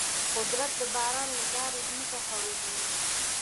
قدرت د باران له لارې ځمکه خړوبوي.